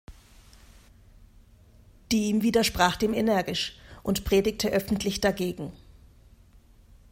Diem widersprach dem energisch und predigte öffentlich dagegen.